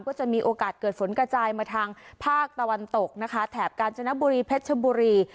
ก็จะมีโอกาสเกิดฝนกระจายมาทางภาคตะวันตกนะคะแถบกาญจนบุรีเพชรชบุรี